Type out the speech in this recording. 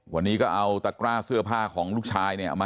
วันนี้ก็เอาตะกร้าเสื้อผ้าของลูกชายเนี่ยเอามา